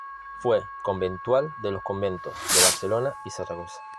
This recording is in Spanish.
Fue conventual de los conventos de Barcelona y Zaragoza.